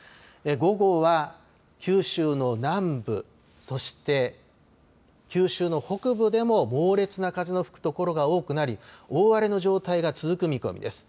午後は九州の南部、そして九州の北部でも猛烈な風の吹く所が多くなり、大荒れの状態が続く見込みです。